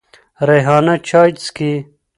ریحانه چای څکې.